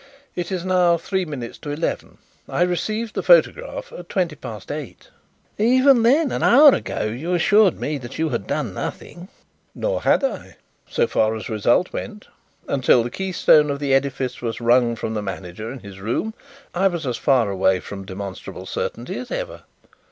"It is now three minutes to eleven. I received the photograph at twenty past eight." "Even then, an hour ago you assured me that you had done nothing." "Nor had I so far as result went. Until the keystone of the edifice was wrung from the manager in his room, I was as far away from demonstrable certainty as ever."